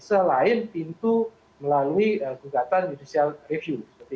selain pintu melalui gugatan judicial review